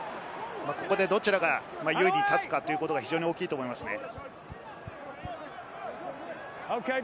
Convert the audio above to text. ここでどちらが優位に立つかということが非常に大きいと思いますね。